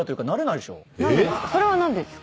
それは何でですか？